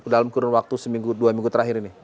dalam kurun waktu seminggu dua minggu terakhir ini